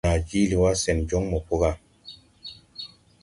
Naa jiili wá sen jɔŋ mo po gà.